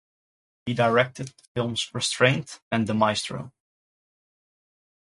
He directed the films Restraint and The Maestro.